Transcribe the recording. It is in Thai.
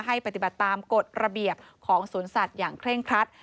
ปฏิบัติตามกฎระเบียบของสวนสัตว์อย่างเคร่งครัด